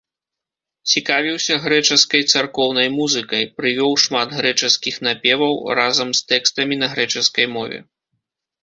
Цікавіўся грэчаскай царкоўнай музыкай, прывёў шмат грэчаскіх напеваў разам з тэкстамі на грэчаскай мове.